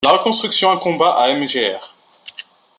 La reconstruction incomba à Mgr.